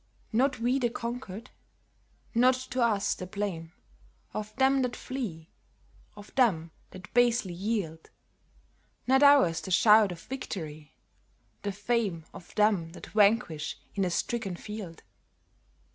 Not we the conquered! Not to us the blame Of them that flee, of them that basely yield; Nor ours the shout of victory, the fame Of them that vanquish in a stricken field.